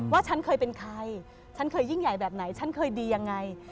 ฉันเคยเป็นใครฉันเคยยิ่งใหญ่แบบไหนฉันเคยดียังไง